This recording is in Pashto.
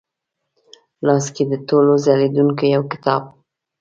لاس کې د ټولو ځلېدونکې یوکتاب،